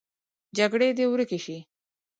جګړې دې ورکې شي